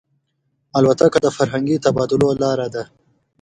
الوتکه د فرهنګي تبادلو لاره ده.